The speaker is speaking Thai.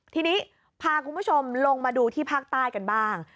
ทีนี้พาคุณผู้ชมลงมาดูที่ภาคใต้กันบ้าง